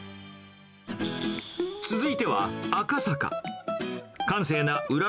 続いては、赤坂。